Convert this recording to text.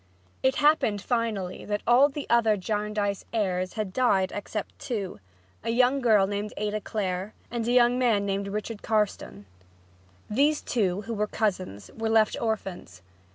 It happened, finally, that all the other Jarndyce heirs had died except two, a young girl named Ada Clare and a young man named Richard Carstone. These two, who were cousins, were left orphans.